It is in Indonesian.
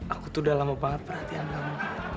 aku tuh udah lama banget perhatian kamu